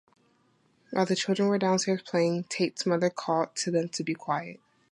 While the children were downstairs playing, Tate's mother called to them to be quiet.